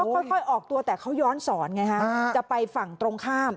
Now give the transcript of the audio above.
ค่อยออกตัวแต่เขาย้อนสอนไงฮะจะไปฝั่งตรงข้าม